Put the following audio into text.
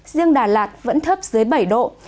riêng đà lạt vẫn thấp dưới bảy độ